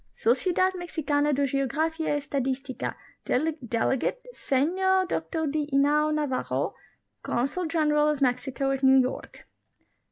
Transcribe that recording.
Sociedad Mexicana de Geografia y Estadistica ; delegate, Senor Dr D. Inau N. Navarro, Consul General of Mexico at New York.